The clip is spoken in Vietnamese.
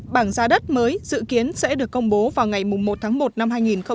bảng giá đất mới dự kiến sẽ được công bố vào ngày một tháng một năm hai nghìn hai mươi